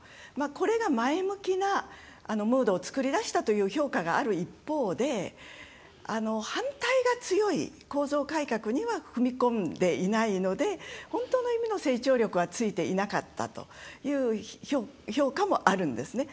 これが、前向きなムードを作り出したという評価がある一方で反対が強い構造改革には踏み込んでいないので本当の意味の成長力はついていなかったという評価もあるんですね。